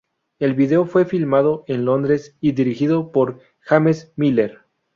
El video fue filmado en Londres y dirigido por James Miller.